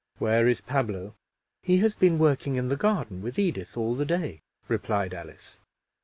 "Where is Pablo?" "He has been working in the garden with Edith all the day," replied Alice.